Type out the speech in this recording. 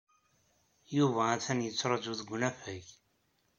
Yuba atan yettraju deg unafag.